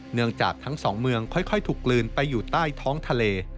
เนื่องจากทั้งสองเมืองค่อยถูกกลืนไปอยู่ใต้ท้องทะเล